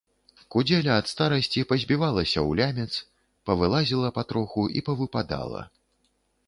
Кудзеля ад старасці пазбівалася ў лямец, павылазіла патроху і павыпадала.